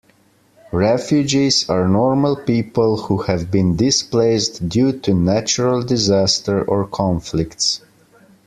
Refugees are normal people who have been displaced due to natural disaster or conflicts